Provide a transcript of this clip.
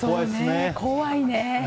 怖いね。